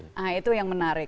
nah itu yang menarik